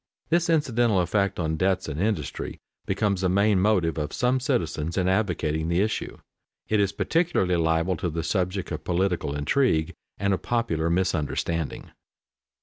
This incidental effect on debts and industry becomes the main motive of some citizens in advocating the issue. It is peculiarly liable to be the subject of political intrigue and of popular misunderstanding.